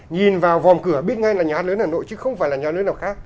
nhìn vào vòm cửa biết ngay là nhà hát lớn hà nội chứ không phải là nhà hát lớn nào khác